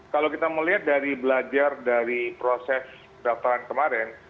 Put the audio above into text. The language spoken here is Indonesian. kalau kita melihat dari belajar dari proses daftaran kemarin